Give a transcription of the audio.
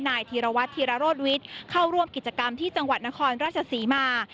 นายธีรวัตรธีรโรธวิทย์เข้าร่วมกิจกรรมที่จังหวัดนครราชศรีมา